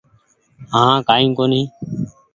هآنٚ ڪآئي ڪونيٚ